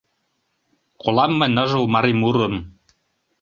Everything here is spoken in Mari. Колам мый ныжыл марий мурым.